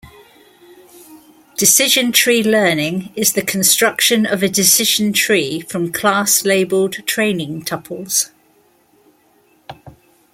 Decision tree learning is the construction of a decision tree from class-labeled training tuples.